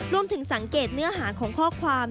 รวมถึงสังเกตเนื้อหาของข้อความ